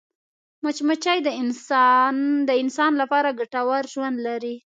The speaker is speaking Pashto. مچمچۍ د انسان لپاره ګټور ژوند لري